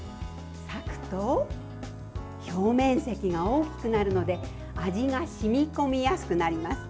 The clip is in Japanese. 裂くと表面積が大きくなるので味が染み込みやすくなります。